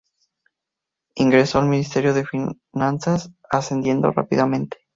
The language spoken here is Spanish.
Ingresó en el Ministerio de Finanzas, ascendiendo rápidamente.